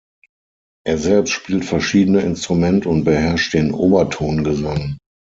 Er selbst spielt verschiedene Instrumente und beherrscht den Obertongesang.